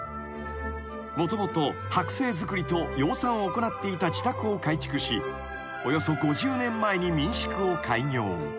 ［もともと剥製作りと養蚕を行っていた自宅を改築しおよそ５０年前に民宿を開業］